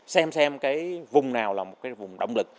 xem xem cái vùng nào là một cái vùng động lực